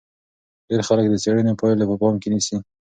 ډېر خلک د څېړنې پایلې په پام کې نیسي.